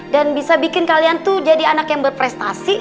dan bisa bikin kalian tuh jadi anak yang berprestasi